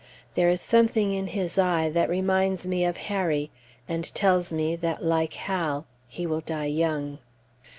There is something in his eye that reminds me of Harry, and tells me that, like Hal, he will die young.